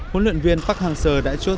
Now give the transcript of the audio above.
huấn luyện viên park hang seo đã chốt